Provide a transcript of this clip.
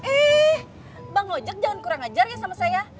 eh bang lojek jangan kurang ajar ya sama saya